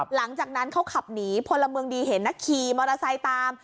หลังจากนั้นเขาขับหนีพลเมืองดีเห็นนะขี่มอเตอร์ไซค์ตาม